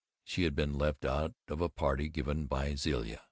She had been left out of a party given by Zilla.